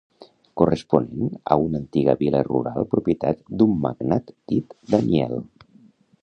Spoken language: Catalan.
Corresponent a una antiga vila rural propietat d'un magnat dit Daniel.